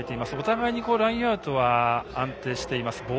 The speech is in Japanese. お互いにラインアウトは安定しています。